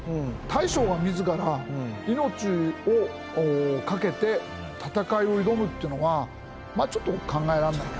大将が自ら命を懸けて戦いを挑むっていうのはまあちょっと考えられない。